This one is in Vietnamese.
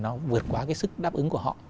nó vượt quá cái sức đáp ứng của họ